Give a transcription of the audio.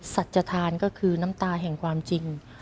สัจทานก็คือน้ำตาแห่งความจริง